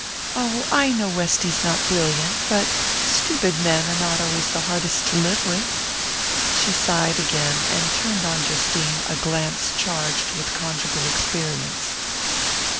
"Oh, I know Westy's not brilliant; but stupid men are not always the hardest to live with." She sighed again, and turned on Justine a glance charged with conjugal experience.